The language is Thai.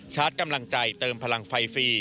ชาร์จกำลังใจเติมพลังไฟฟรี